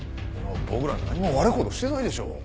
僕ら何も悪いことしてないでしょう。